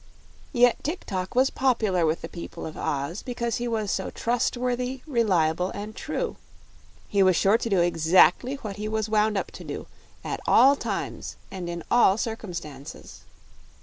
Yet Tik tok was popular with the people of Oz because he was so trustworthy, reliable and true; he was sure to do exactly what he was wound up to do, at all times and in all circumstances.